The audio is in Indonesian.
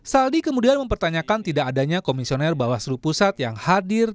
saldi kemudian mempertanyakan tidak adanya komisioner bawaslu pusat yang hadir